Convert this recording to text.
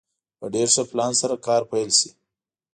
په ډېر ښه پلان سره کار پيل شي.